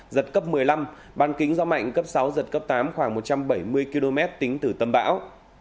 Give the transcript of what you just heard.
giật cấp một mươi năm ban kính gió mạnh cấp sáu giật cấp tám khoảng một trăm bảy mươi km tính từ tâm bão